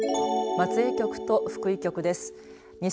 松江局と福井局です。